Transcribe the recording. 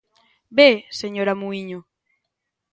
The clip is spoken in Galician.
¿Ve, señora Muíño?